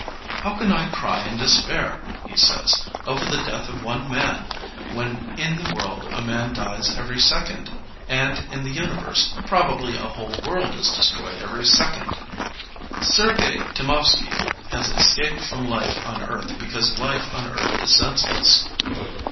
How can I cry and de spair,'* he says, over the death of one man, when in the world a man dies every second, and in the universe probably a whole world is destroyed every second. '' Sergey Temovsky has escaped from life on earth because life on earth is senseless.